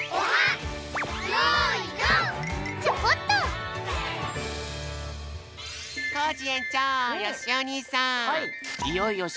はい。